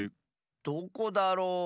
どこだろう？